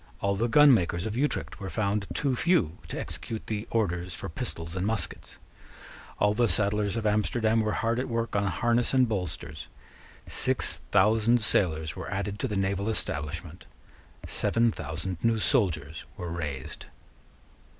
All the gunmakers of Utrecht were found too few to execute the orders for pistols and muskets. All the saddlers of Amsterdam were hard at work on harness and bolsters. Six thousand sailors were added to the naval establishment. Seven thousand new soldiers were raised.